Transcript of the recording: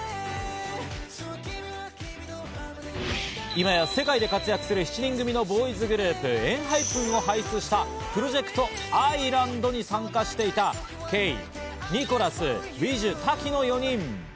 今や世界で活躍する７人組のボーイズグループ・ＥＮＨＹＰＥＮを輩出したプロジェクト『ＩーＬＡＮＤ』に参加していたＫ、ＮＩＣＨＯＬＡＳ、ＥＪ、ＴＡＫＩの４人。